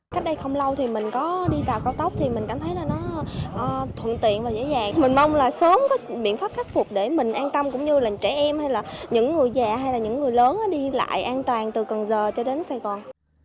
cách đây không lâu thì mình có đi tàu cao tốc thì mình cảm thấy là nó thuận tiện và dễ dàng mình mong là sớm có biện pháp khắc phục để mình an tâm cũng như là trẻ em hay là những người già hay là những người lớn đi lại an toàn từ cần giờ cho đến sài gòn